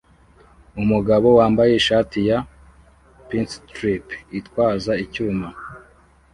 Umugabo wambaye ishati ya pinstripe ityaza icyuma